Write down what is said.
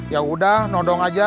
ya udah nodong aja